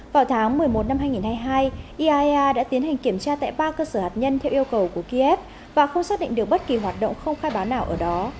vào tháng một mươi một năm hai nghìn hai mươi hai iaea đã tiến hành kiểm tra tại ba cơ sở hạt nhân theo yêu cầu của kiev và không xác định được bất kỳ hoạt động không khai báo nào ở đó